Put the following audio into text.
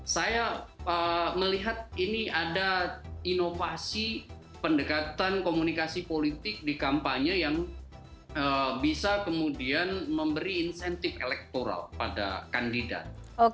saya melihat ini ada inovasi pendekatan komunikasi politik di kampanye yang bisa kemudian memberi insentif elektoral pada kandidat